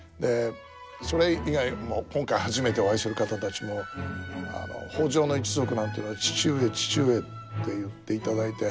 それ以外も今回初めてお会いする方たちも北条の一族なんていうのは「父上父上」って言っていただいて。